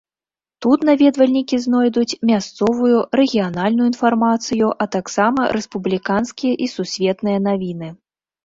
Тут наведвальнікі знойдуць мясцовую, рэгіянальную інфармацыю, а таксама рэспубліканскія і сусветныя навіны.